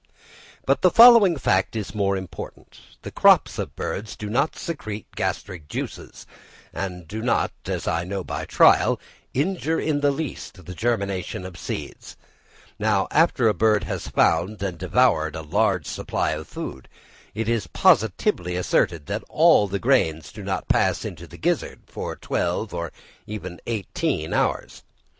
But the following fact is more important: the crops of birds do not secrete gastric juice, and do not, as I know by trial, injure in the least the germination of seeds; now, after a bird has found and devoured a large supply of food, it is positively asserted that all the grains do not pass into the gizzard for twelve or even eighteen hours.